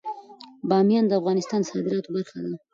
بامیان د افغانستان د صادراتو برخه ده.